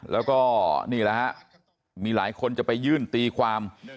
แล้วก็นี่แหละฮะมีหลายคนจะไปยื่นตีความ